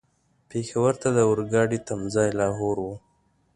پېښور ته د اورګاډي تم ځای لاهور و.